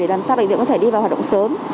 để làm sao bệnh viện có thể đi vào hoạt động sớm